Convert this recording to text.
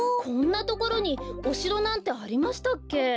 こんなところにおしろなんてありましたっけ？